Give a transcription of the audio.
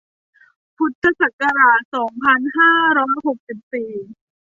พุทธศักราช สองพันห้าร้อยหกสิบสี่